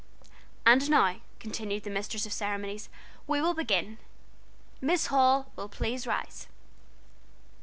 "And now," continued the mistress of ceremonies, "we will begin. Miss Hall will please rise."